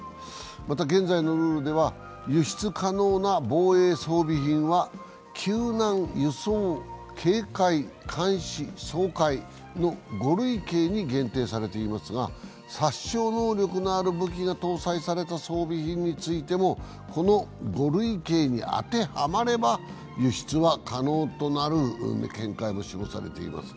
また現在のルールでは、輸出可能な防衛装備品は救難・輸送・警戒・監視・掃海の５類型に限定されていますが、殺傷能力のある武器が搭載された装備品についてもこの５類型に当てはまれば、輸出は可能とする見解も示されました。